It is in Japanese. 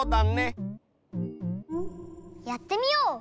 やってみよう。